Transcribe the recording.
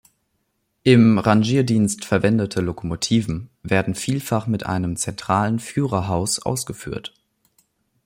Im Rangierdienst verwendete Lokomotiven werden vielfach mit einem zentralen Führerhaus ausgeführt.